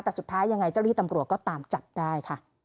แต่สุดท้ายยังไงเจ้าที่ตำรวจก็ตามจับได้ค่ะ